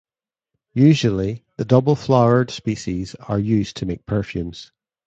Usually, the double-flowered species are used to make perfumes.